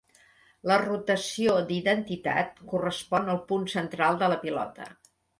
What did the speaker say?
La rotació d'identitat correspon al punt central de la pilota.